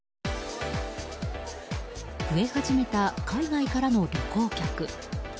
増え始めた海外からの旅行客。